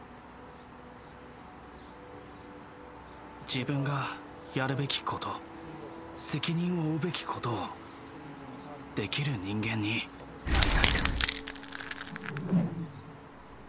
自分がやるべきこと責任を負うべきことをできる人間になりたいです。